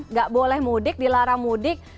nggak boleh mudik dilarang mudik